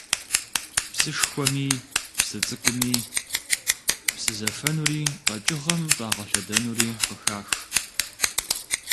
Псышхуэми псы цӀыкӀуми псы зэфэнури къэкӀыгъэм щӏагъэлъэдэнури къыхах.